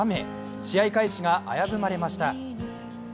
試合開始が危ぶまれました。